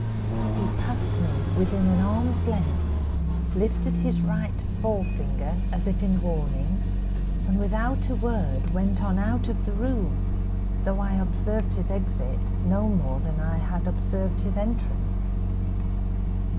"He passed me, within an arm's length, lifted his right forefinger, as in warning, and without a word went on out of the room, though I observed his exit no more than I had observed his entrance.